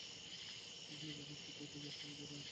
সে কখন কোথায় থেকে এসেছে কেউ জানে না।